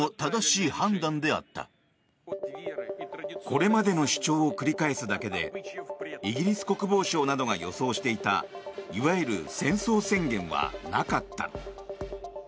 これまでの主張を繰り返すだけでイギリス国防省などが予想していたいわゆる戦争宣言はなかった。